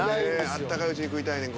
温かいうちに食いたいねん。